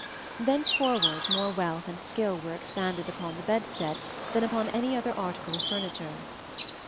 Thenceforward more wealth and skill were expended upon the bedstead than upon any other article of furniture.